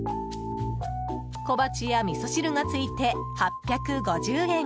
小鉢やみそ汁がついて、８５０円。